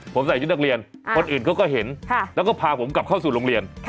ผมใส่ชุดนักเรียนคนอื่นเขาก็เห็นแล้วก็พาผมกลับเข้าสู่โรงเรียน